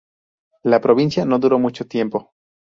La provincia no duró mucho tiempo.